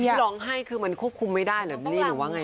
คือที่ร้องไห้คือมันควบคุมไม่ได้หรือว่าไง